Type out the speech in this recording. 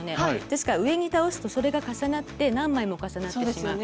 ですから上に倒すとそれが重なって何枚も重なってしまう。